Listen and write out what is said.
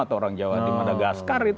atau orang jawa di madagaskar